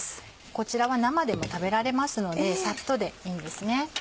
こちらは生でも食べられますのでサッとでいいんですね。